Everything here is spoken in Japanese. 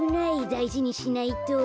だいじにしないと。